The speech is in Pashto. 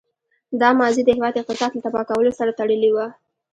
دا ماضي د هېواد اقتصاد له تباه کولو سره تړلې وه.